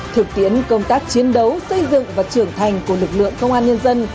thực tiễn công tác chiến đấu xây dựng và trưởng thành của lực lượng công an nhân dân